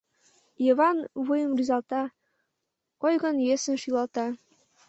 Йыван вуйым рӱзалта, ойгын-йӧсын шӱлалта.